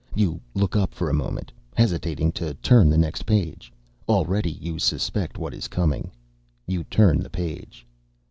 You look up for a moment, hesitating to turn the next page. Already you suspect what is coming. You turn the page.